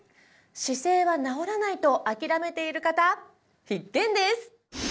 姿勢は治らないと諦めている方必見です！